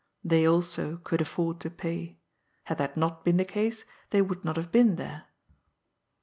They also could afford to pay. Had that not been the case, .they would not have been there.